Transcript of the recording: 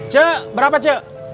cuk berapa cuk